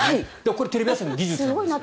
これ、テレビ朝日の技術です。